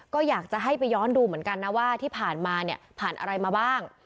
ก็อยากจะให้ไปย้อนดูเหมือนกันนะว่าที่ผ่านมาเนี่ยผ่านอะไรมาบ้าง